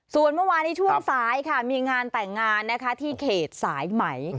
ส่วนเมื่อวานี้ช่วงสายค่ะมีงานแต่งงานนะคะที่เขตสายไหม